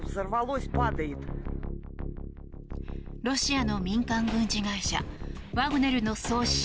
ロシアの民間軍事会社ワグネルの創始者